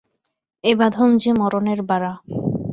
এ বাঁধন যে মরণের বাড়া।